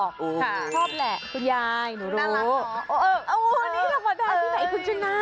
ชอบแหละคุณยายหนูรู้น่ารักเหรอนี่สักพันธาตุที่ไหนคุณชนะ